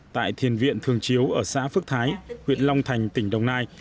tại thiền viện thường chiếu ở xã phước thái huyện long thành tỉnh đồng nai